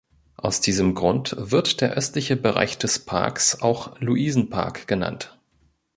Aus diesem Grund wird der östliche Bereich des Parks auch "Luisenpark" genannt.